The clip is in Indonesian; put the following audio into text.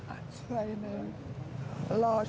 untuk menghadapi orang